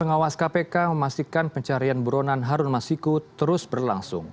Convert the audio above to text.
pengawas kpk memastikan pencarian buronan harun masiku terus berlangsung